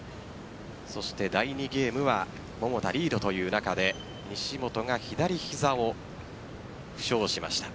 第２ゲームは桃田リードという中で西本が左膝を負傷しました。